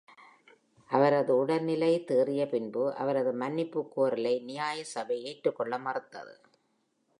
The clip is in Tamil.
அவரது உடல் நிலை தேறிய பின்பு அவரது மன்னிப்புக்கோரலை நியாய சபை ஏற்றுக்கொள்ள மறுத்தது.